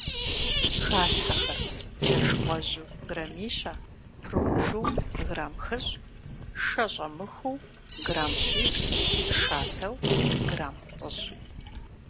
Халъхьэхэр: джэш гъуэжьу граммищэ, прунжу грамм хыщӏ, шэ щӀэмыхуу грамм щиплӏ, шатэу грамм плӏыщӏ.